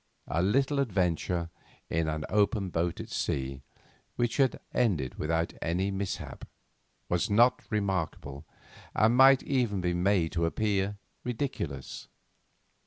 A little adventure in an open boat at sea which had ended without any mishap, was not remarkable, and might even be made to appear ridiculous.